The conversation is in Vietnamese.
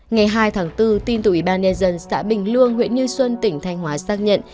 ngày hai tháng bốn tin tủy ban nen dân xã bình luông huyện như xuân tỉnh thanh hóa xác nhận